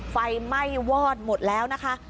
ไฟไหม้วอดหมดแล้วนะคะ